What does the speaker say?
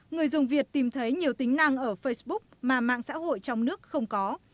người dùng việt tìm thấy nhiều tính năng ở facebook mà mạng xã hội trong nước không có